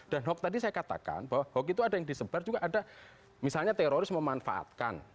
dan huk tadi saya katakan bahwa huk itu ada yang disebar juga ada misalnya teroris memanfaatkan